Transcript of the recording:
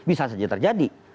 bisa saja terjadi